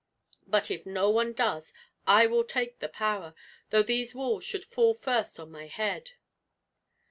But if no one does I will take the power, though these walls should fall first on my head!"